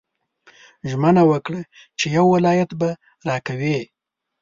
ژمنه وکړه چې یو ولایت به راکوې.